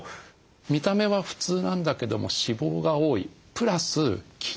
見た目は普通なんだけども脂肪が多いプラス筋肉が少ない。